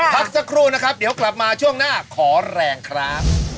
พักสักครู่นะครับเดี๋ยวกลับมาช่วงหน้าขอแรงครับ